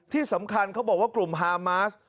ที่สำคัญเขาบอกว่ากลุ่มฮามาส